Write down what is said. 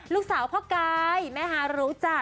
ลูกสาวพ่อกายแม่ฮารู้จัก